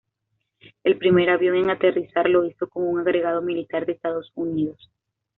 El primer avión en aterrizar lo hizo con un agregado militar de Estados Unidos.